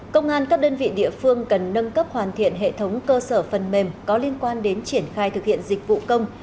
công an các đơn vị địa phương cần nâng cấp hoàn thiện hệ thống cơ sở phần mềm có liên quan đến triển khai thực hiện dịch vụ công